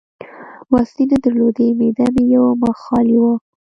وسلې نه درلودې، معده مې یو مخ خالي وه.